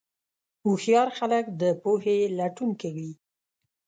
هوښیار خلک د پوهې لټون کوي.